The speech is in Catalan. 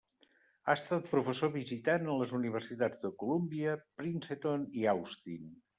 Ha estat professor visitant a les universitats de Colúmbia, Princeton i Austin.